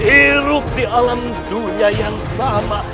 hirup di alam dunia yang sama